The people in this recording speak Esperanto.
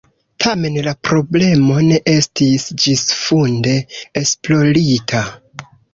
Tamen la problemo ne estis ĝisfunde esplorita.